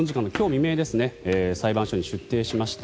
未明裁判所に出廷しました。